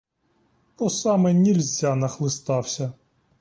По саме нільзя нахлистався